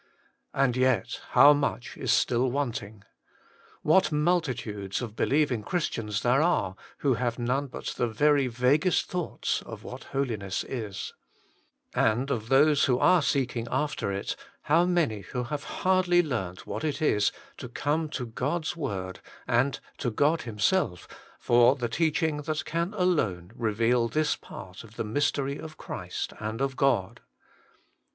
And yet how much is still wanting ! What multitudes of believing Christians there are who have none but the very vaguest thoughts of what holiness is ! And of those who are seeking after it 6 PREFACE. how many who have hardly learnt what it is to come to God's Word and to God Himself for the teaching that can alone reveal this part of the mystery of Christ and of God